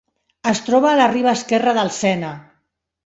Es troba a la Riba Esquerra del Sena.